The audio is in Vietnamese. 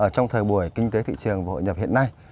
trong thời buổi kinh tế thị trường và hội nhập hiện nay